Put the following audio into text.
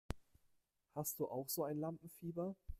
Hast du auch so ein Lampenfieber?